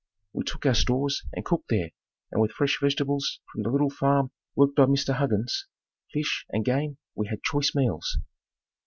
We took our stores and cooked there and with fresh vegetables from the little farm worked by Mr. Huggins, fish and game, we had choice meals.